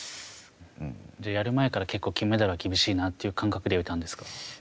やる前から金メダルは厳しいなという感覚ではいたんですか。